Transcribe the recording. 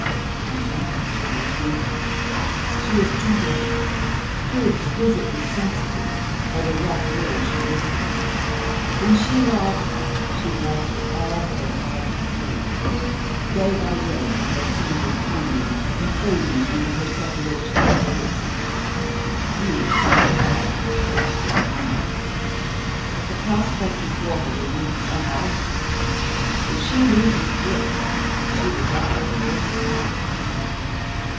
I know my child's nature. She is too delicate, too exquisitely sensitive, for the rough world she lives in. When she loves, she loves with all her heart and soul. Day by day I have seen her pining and fading under her separation from Fritz. You have revived her hopes for the moment but the prospect before her remains unaltered. If she loses Fritz she will die of a broken heart.